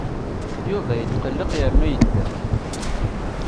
Yuba yetqelleq yernu yedda.